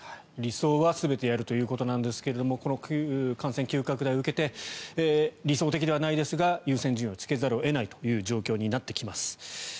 理想は全てやるということですがこの感染急拡大を受けて理想的ではないですが優先順位をつけざるを得ないという状況になってきます。